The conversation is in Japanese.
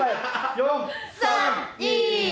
４３２。